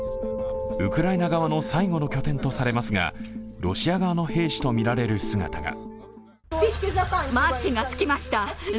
ウクライナ側の最後の拠点とされますが、ロシア側の兵士とみられる姿が。